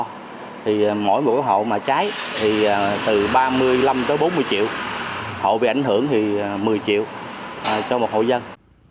thì mỗi một hộ mà cháy thì từ ba mươi năm tới bốn mươi triệu hộ bị ảnh hưởng thì một mươi triệu cho một hộ dân